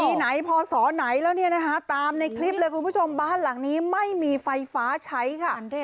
ที่ไหนพอสอไหนแล้วเนี่ยนะคะตามในคลิปเลยคุณผู้ชมบ้านหลังนี้ไม่มีไฟฟ้าใช้ค่ะ